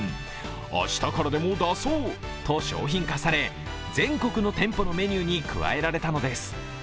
明日からでも出そうと商品化され、全国の店舗のメニューに加えられたのです。